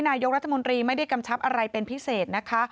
นายกรัฐมนตรีไม่ได้กำชับอะไรเป็นพิเศษนะคะ